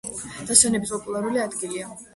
დასვენების პოპულარული ადგილია.